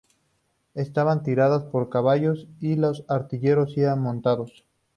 Estaban tiradas por caballos y los artilleros iban montados.